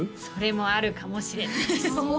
それもあるかもしれないです